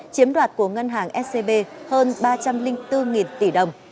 chiếm đoạt của ngân hàng scb hơn ba trăm linh bốn tỷ đồng